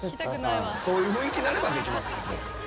そういう雰囲気になればできますけど。